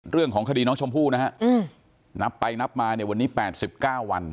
เรื่องของคดีน้องชมพู่นะฮะนับไปนับมาเนี่ยวันนี้๘๙วัน